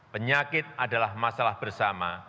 penyakit adalah masalah bersama